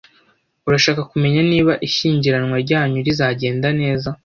Urashaka kumenya niba ishyingiranwa ryanyu rizagenda neza?